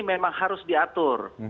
memang harus diatur